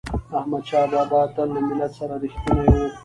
احمدشاه بابا به تل له ملت سره رښتینی و.